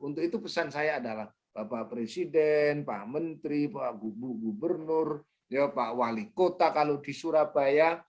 untuk itu pesan saya adalah bapak presiden pak menteri pak gubernur pak wali kota kalau di surabaya